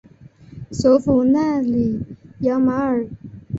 首府纳里扬马尔。